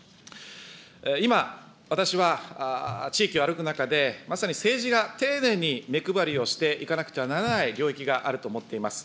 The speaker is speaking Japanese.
今、私は地域を歩く中で、まさに政治が丁寧に目配りをしていかなければならない領域があると思っています。